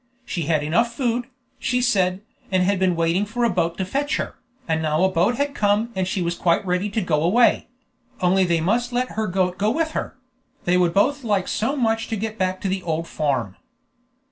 She had enough food, she said, and had been waiting for a boat to fetch her, and now a boat had come and she was quite ready to go away; only they must let her goat go with her: they would both like so much to get back to the old farm.